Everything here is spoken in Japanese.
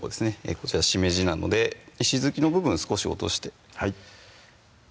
こちらしめじなので石突きの部分少し落としてはい